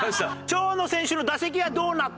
「長野選手の打席はどうなった？」